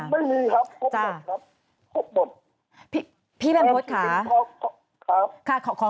ไม่มีครับครบหมดครับครบหมด